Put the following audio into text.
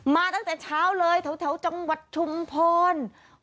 มาตั้งแต่เช้าเลยแถวจังหวัดชุมพร